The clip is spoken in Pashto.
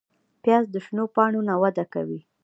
پیاز د شنو پاڼو نه وده کوي